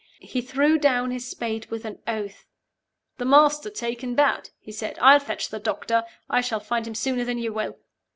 He threw down his spade with an oath. "The Master taken bad?" he said. "I'll fetch the doctor. I shall find him sooner than you will."